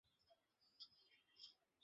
সেখানে জানা গেছে যে বাচ্চার কিছু সমস্যা আছে।